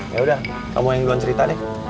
yaudah kamu yang duluan cerita deh